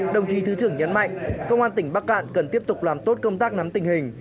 đồng chí thứ trưởng nhấn mạnh công an tỉnh bắc cạn cần tiếp tục làm tốt công tác nắm tình hình